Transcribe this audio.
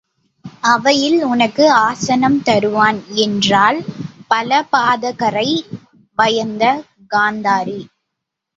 அவையில் உனக்கு ஆசனம் தருவான் என்றாள் பலபாதகரைப் பயந்த காந்தாரி.